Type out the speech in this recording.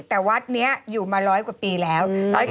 แต่วัดนี้อยู่มา๑๐๐กว่าปีแล้ว